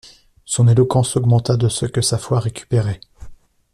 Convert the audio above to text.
Son éloquence s'augmenta de ce que sa foi récupérait.